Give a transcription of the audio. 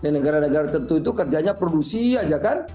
negara negara tentu itu kerjanya produksi aja kan